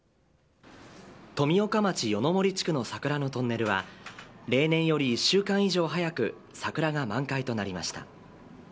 富岡町夜の森地区の桜のトンネルは例年より１週間以上早く桜が満開となりました。